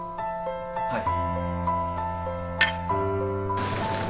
はい。